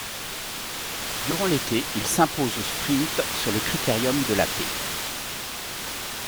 Durant l'été, il s'impose au sprint sur le Critérium de la Paix.